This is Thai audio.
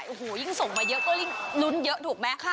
โอ้โหยิ่งส่งมาเยอะก็ยิ่งลุ้นเยอะถูกไหม